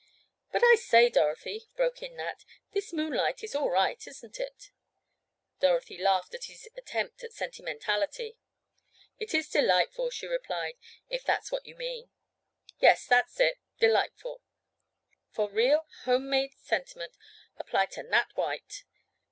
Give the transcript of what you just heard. "But I say, Dorothy," broke in Nat. "This moonlight is all right, isn't it?" Dorothy laughed at his attempt at sentimentality. "It is delightful," she replied, "if that is what you mean." "Yes, that's it—delightful. For real, home made sentiment apply to Nat White.